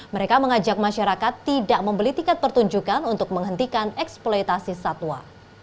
mereka mengajak masyarakat tidak membeli tiket pertunjukan untuk menghentikan eksploitasi satwa